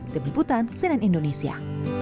tim liputan senen indonesia